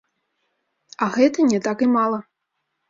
А гэта не так і мала.